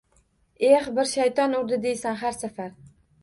«Eh, bir shayton urdi», deysan har safar